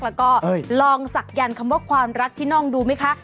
แล้วก็ลองศักยันต์คำว่าความรักที่น่องดูไหมคะ